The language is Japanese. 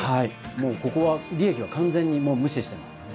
もうここは利益は完全に無視してます。